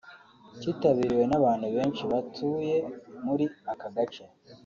cyitabiriwe n’abantu benshi batuye muri aka gace